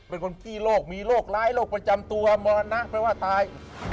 เป็นคนขี้โรคมีโรคร้ายโรคประจำตัวมรณะแปลว่าตาย